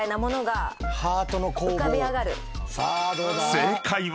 正解は。